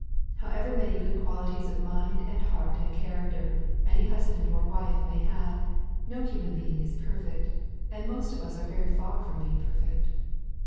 However many good qualities of mind and heart and character any husband or wife may have, no human being is perfect, and most of us are very far from being perfect.